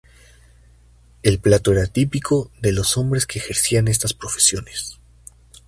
El plato era típico de los hombres que ejercían estas profesiones.